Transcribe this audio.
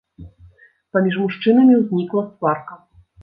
Паміж мужчынамі ўзнікла сварка.